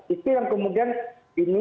itu yang kemudian ini